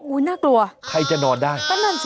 อุ๊ยน่ากลัวก็นั่นสิฮะใครจะนอนได้